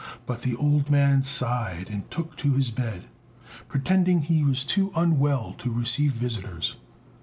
But the old man sighed and took to his bed, pretending he was too unwell to receive visitors.